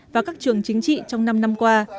và các trường chính trị trong năm năm qua